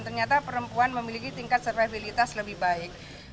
ternyata perempuan memiliki tingkat survivalitas lebih baik